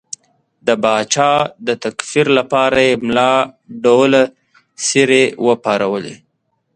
د پاچا د تکفیر لپاره یې ملا ډوله څېرې وپارولې.